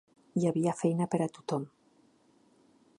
Hi havia feina per a tothom